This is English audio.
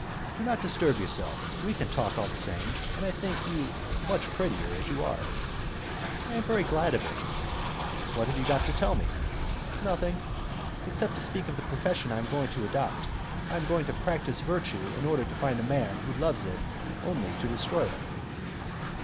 "Do not disturb yourself; we can talk all the same, and I think you much prettier as you are." "I am very glad of it." "What have you got to tell me?" "Nothing, except to speak of the profession I am going to adopt. I am going to practice virtue in order to find a man who loves it only to destroy it."